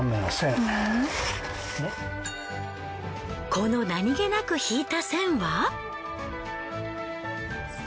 この何気なく引いた線は？